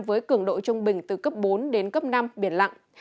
với cường độ trung bình từ cấp bốn đến cấp năm biển lặng